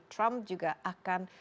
trump juga akan